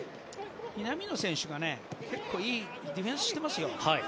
南野選手が結構いいディフェンスしていますよ。